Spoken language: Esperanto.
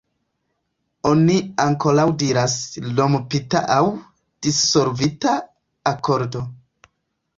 Oni ankaŭ diras "rompita", aŭ "dissolvita" akordo.